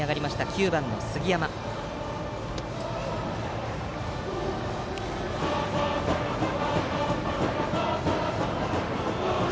９番の杉山から。